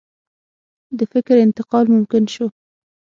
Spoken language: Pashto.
د فکر انتقال ممکن شو.